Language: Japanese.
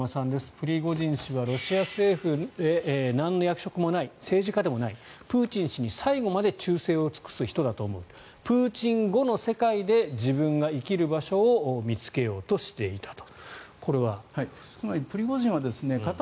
プリゴジン氏はロシア政府でなんの役職もない政治家でもないプーチン氏に最後まで忠誠を尽くす人だと思うプーチン後の世界で自分が生きる場所を見つけようとしていたと。